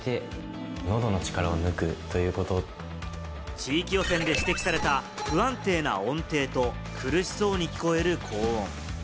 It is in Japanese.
地域予選で指摘された不安定な音程と苦しそうに聞こえる高音。